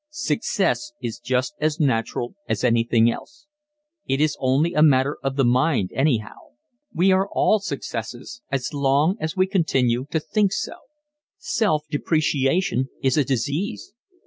Success is just as natural as anything else. It is only a matter of the mind anyhow. We are all successes as long as we continue to think so. Self depreciation is a disease.